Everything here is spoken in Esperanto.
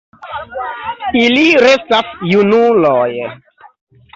Ili restas junuloj.